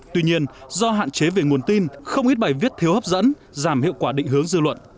tuy nhiên do hạn chế về nguồn tin không ít bài viết thiếu hấp dẫn giảm hiệu quả định hướng dư luận